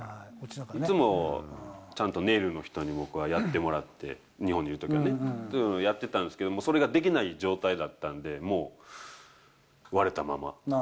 いつもちゃんとネイルの人に僕はやってもらって、日本にいるときはね、やってたんですけども、それができない状態だったんで、もう、割れたまま。